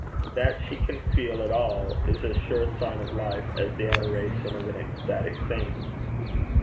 That she can feel at all is as sure a sign of life as the adoration of an ecstatic saint.'